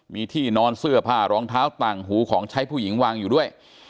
มีที่นอนเสื้อผ้ารองเท้าต่างหูของใช้ผู้หญิงวางอยู่ด้วย